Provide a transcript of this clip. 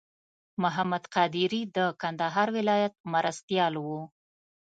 محمد قادري د کندهار ولایت مرستیال و.